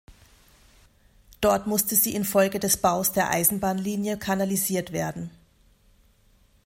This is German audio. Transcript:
Dort musste sie infolge des Baus der Eisenbahnlinie kanalisiert werden.